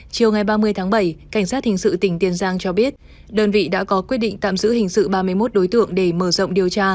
chiều ngày ba mươi tháng bảy cảnh sát hình sự tỉnh tiền giang cho biết đơn vị đã có quyết định tạm giữ hình sự ba mươi một đối tượng để mở rộng điều tra